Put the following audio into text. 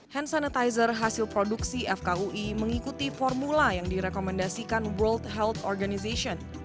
hand sanitizer hasil produksi fkui mengikuti formula yang direkomendasikan world health organization